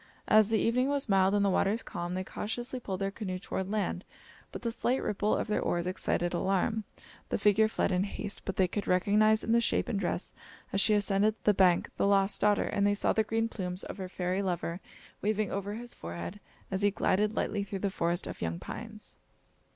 As the evening was mild and the waters calm, they cautiously pulled their canoe toward land, but the slight ripple of their oars excited alarm. The figure fled in haste, but they could recognise in the shape and dress as she ascended the hank, the lost daughter, and they saw the green plumes of her fairy lover waving over his forehead as he glided lightly through the forest of young pines.